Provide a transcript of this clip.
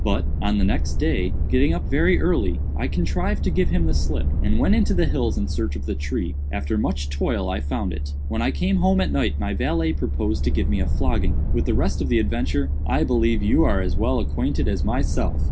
But, on the next day, getting up very early, I contrived to give him the slip, and went into the hills in search of the tree. After much toil I found it. When I came home at night my valet proposed to give me a flogging. With the rest of the adventure I believe you are as well acquainted as myself."